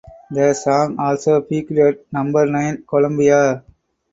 The song also peaked at number nine Colombia.